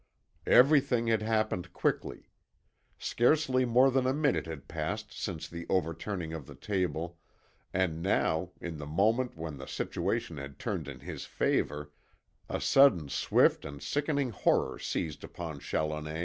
Everything had happened quickly. Scarcely more than a minute had passed since the overturning of the table, and now, in the moment when the situation had turned in his favour, a sudden swift and sickening horror seized upon Challoner.